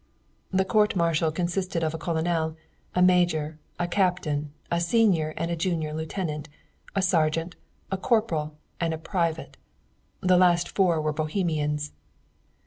The court martial consisted of a colonel, a major, a captain, a senior and a junior lieutenant, a sergeant, a corporal, and a private; the last four were Bohemians.